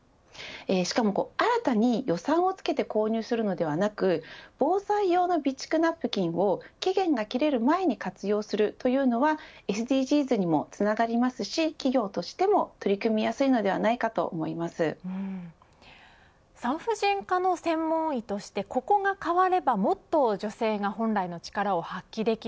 しかも新たに予算をつけて購入するのではなく防災用の備蓄ナプキンを期限が切れる前に活用するというのはＳＤＧｓにもつながりますし企業としても取り組みやすいのではないかと産婦人科の専門医としてここが変わればもっと女性が本来の力を発揮できる。